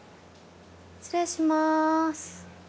失礼しまーす。